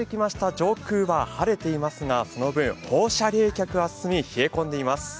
上空は晴れていますが、その分、放射冷却は進み冷え込んでいます。